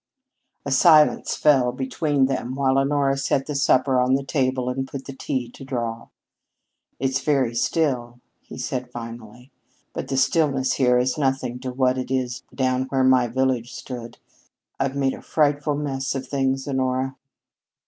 A silence fell between them while Honora set the hot supper on the table and put the tea to draw. "It's very still," he said finally. "But the stillness here is nothing to what it is down where my village stood. I've made a frightful mess of things, Honora."